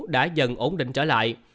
đã dần ổn định trở lại